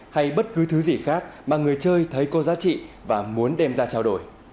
hay bất cứ thứ gì khác mà người chơi thấy có giá trị và muốn đem ra trao đổi